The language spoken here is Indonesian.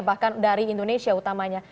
bahkan dari indonesia utamanya